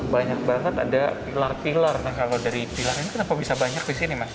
banyak banget ada pilar pilar kalau dari pilar ini kenapa bisa banyak di sini mas